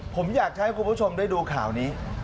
ผมอยากจะให้คุณผู้ชมได้ดูข่าวนี้